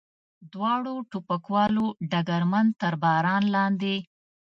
دواړو ټوپکوالو ډګرمن تر باران لاندې.